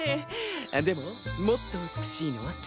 でももっと美しいのは君。